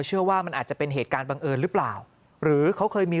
เชื่อว่ามันอาจจะเป็นเหตุการณ์บังเอิญหรือเปล่าหรือเขาเคยมี